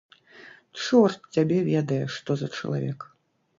Чорт цябе ведае, што за чалавек.